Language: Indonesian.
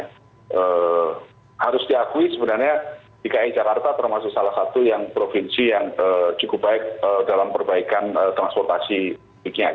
nah harus diakui sebenarnya iki jakarta termasuk salah satu provinsi yang cukup baik dalam perbaikan transportasi